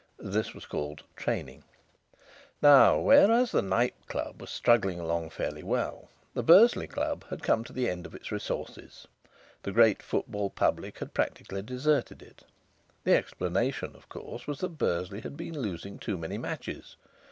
(This was called "training.") Now, whereas the Knype Club was struggling along fairly well, the Bursley Club had come to the end of its resources. The great football public had practically deserted it. The explanation, of course, was that Bursley had been losing too many matches.